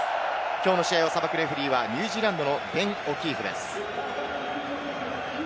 きょうの試合を裁くレフェリーはニュージーランドのベン・オキーフです。